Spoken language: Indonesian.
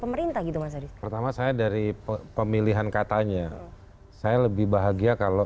pemerintah gitu mas adi pertama saya dari pemilihan katanya saya lebih bahagia kalau